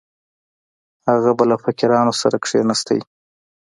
هغه به له فقیرانو سره کښېناست.